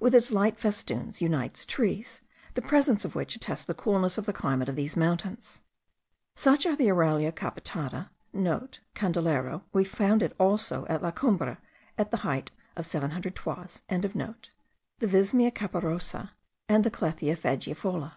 with its light festoons unites trees, the presence of which attests the coolness of the climate of these mountains. Such are the Aralia capitata,* (* Candelero. We found it also at La Cumbre, at a height of 700 toises.) the Vismia caparosa, and the Clethra fagifolia.